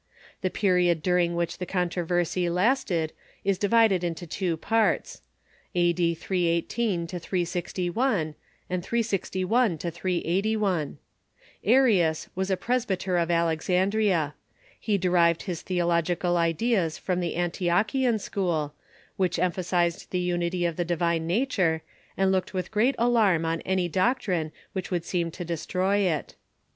The period during which the controversy lasted is divided into two parts — a.d. 318 361 and 361 381. Arius was CONTROVERSIES OX CHRIST 47 a presbyter of Alexandria, lie derived bis theological ideas from the Antiochian school, Avhich emphasized the unit}'' of the divine nature, and looked with great alarm on any doc trine which would seem to destroy it.